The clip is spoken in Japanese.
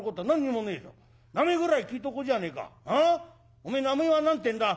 おめえ名前は何ていうんだ？